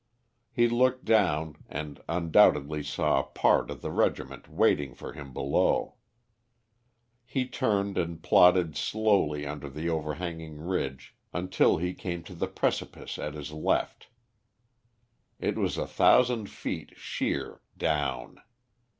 He looked down and undoubtedly saw a part of the regiment waiting for him below. He turned and plodded slowly under the overhanging ridge until he came to the precipice at his left. It was a thousand feet sheer down.